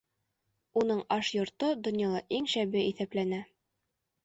Уның аш йорто донъяла иң шәбе иҫәпләнә.